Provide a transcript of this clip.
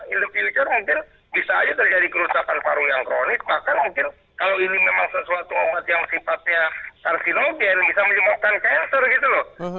in the future mungkin bisa aja terjadi kerusakan paru yang kronik bahkan mungkin kalau ini memang sesuatu obat yang sifatnya karsinogen bisa menyebabkan cancer gitu loh